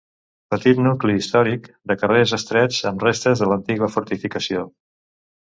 Petit nucli històric de carrers estrets amb restes de l'antiga fortificació.